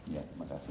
ya terima kasih